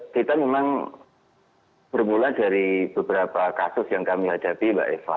kita memang bermula dari beberapa kasus yang kami hadapi mbak eva